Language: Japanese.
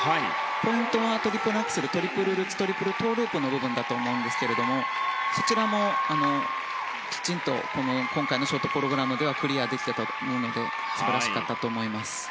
ポイントはトリプルアクセルトリプルルッツトリプルトウループの部分だと思うんですがそちらもきちんとショートプログラムではクリアできていたと思うので素晴らしかったと思います。